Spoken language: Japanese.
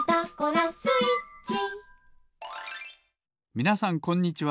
みなさんこんにちは。